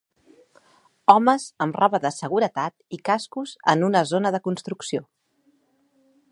Homes amb roba de seguretat i cascos en una zona de construcció.